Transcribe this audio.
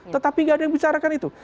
tetapi nggak ada yang bicarakan itu